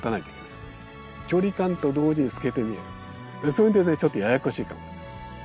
それでねちょっとややこしいかも。